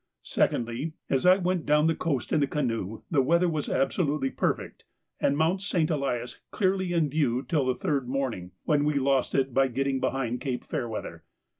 Secondly, as I went down the coast in the canoe the weather was absolutely perfect, and Mount St. Elias clearly in view till the third morning, when we lost it by getting behind Cape Fairweather.